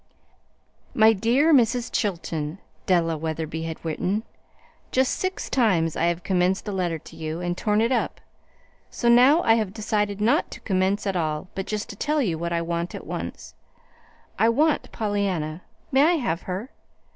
"My dear Mrs. Chilton," Della Wetherby had written. "Just six times I have commenced a letter to you, and torn it up; so now I have decided not to 'commence' at all, but just to tell you what I want at once. I want Pollyanna. May I have her?